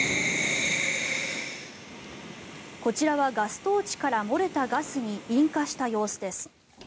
こちらはガストーチから漏れたガスに引火した様子です。